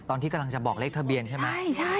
ตอนที่กำลังจะบอกเลขทะเบียนใช่ไหม